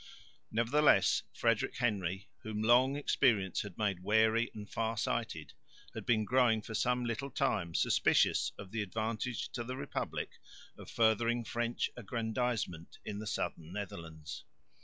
Nevertheless Frederick Henry, whom long experience had made wary and far sighted, had been growing for some little time suspicious of the advantage to the republic of furthering French aggrandisement in the southern Netherlands.